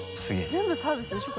全部サービスでしょ？